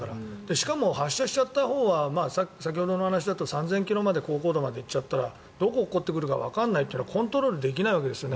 しかも発射したほうは先ほどのお話だと３０００ｋｍまで高硬度に行っちゃったらどこに落っこちてくるかわからないというのはコントロールできないわけですよね